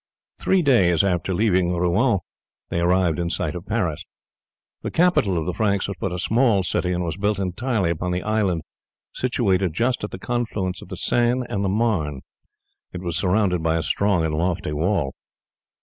Three days after leaving Rouen they arrived in sight of Paris. The capital of the Franks was but a small city, and was built entirely upon the island situated just at the confluence of the Seine and Marne. It was surrounded by a strong and lofty wall.